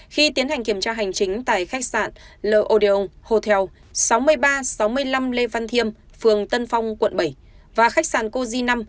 khi tiến hành kiểm tra hành chính tại khách sạn le odeon hotel sáu mươi ba sáu mươi năm lê văn thiêm phường tân phong quận bảy